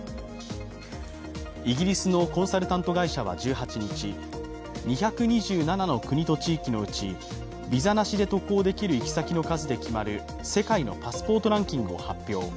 イギリスのコンサルタント会社は１８日、２２７の国と地域のうちビザなしで渡航できる行き先の数で決まる世界のパスポートランキングを発表。